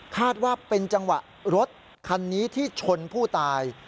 คาดว่าเป็นจังหวะรถคันนี้ที่ชนผู้ตาย